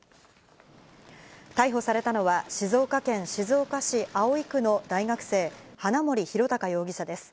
逮捕されたのは、静岡県静岡市葵区の大学生、花森弘卓容疑者です。